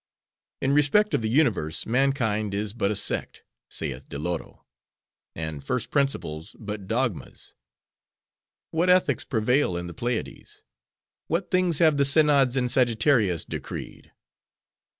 'In respect of the universe, mankind is but a sect,' saith Diloro: 'and first principles but dogmas.' What ethics prevail in the Pleiades? What things have the synods in Sagittarius decreed?"